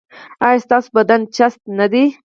ایا ستاسو بدن چست دی؟